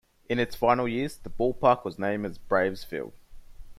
In its final years, the ballpark was known as Braves Field.